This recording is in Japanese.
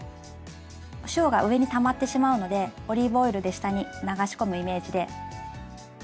お塩が上にたまってしまうのでオリーブオイルで下に流し込むイメージで。